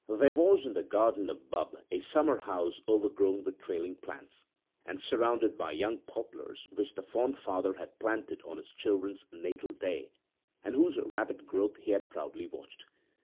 There was in the garden of Bubb a summer house overgrown with trailing plants, and surrounded by young poplars which the fond father had planted on his children's natal day, and whose rapid growth he had proudly watched.